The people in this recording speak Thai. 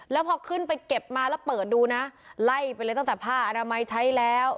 แล้วพอขึ้นไปเก็บมาแล้วเปิดดูนะไล่ไปเลยตั้งแต่ผ้าอนามัยใช้แล้ว